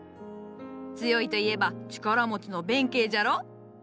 強いといえば力持ちの弁慶じゃろ？